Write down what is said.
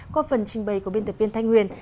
qua phần trình bày của biên tập viên thanh huyền